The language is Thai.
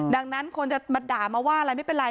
ดังนั้นคนจะมาด่ามาว่าอะไรไม่เป็นไร